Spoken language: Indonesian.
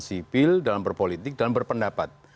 sivil dalam berpolitik dalam berpendapat